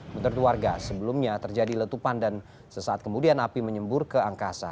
menurut warga sebelumnya terjadi letupan dan sesaat kemudian api menyembur ke angkasa